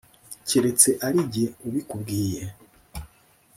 keretse ari jye ubikubwiye